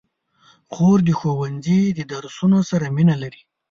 خور د ښوونځي د درسونو سره مینه لري.